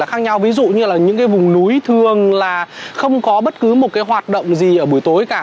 khác nhau ví dụ như là những cái vùng núi thường là không có bất cứ một cái hoạt động gì ở buổi tối cả